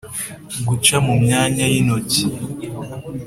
Guca mu myanya y’intoki.